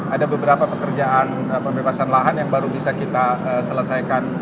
ada beberapa pekerjaan pembebasan lahan yang baru bisa kita selesaikan